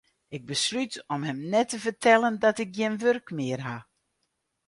Ik beslút om him net te fertellen dat ik gjin wurk mear ha.